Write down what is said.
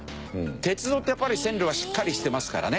鉄道ってやっぱり線路がしっかりしてますからね。